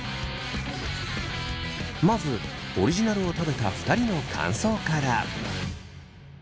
まずオリジナルを食べた２人の感想から。